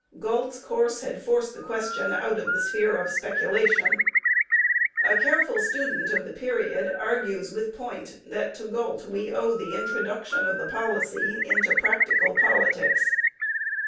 Galt's course had forced the question out of the sphere of speculation. A careful student of the period argues with point that to Galt we owe the introduction of the policy into practical politics.